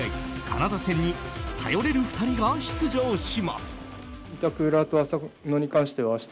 カナダ戦に頼れる２人が出場します。